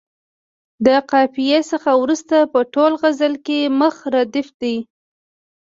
د قافیې څخه وروسته په ټول غزل کې مخ ردیف دی.